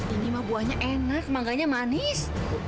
ini mah buahnya enak mangganya manis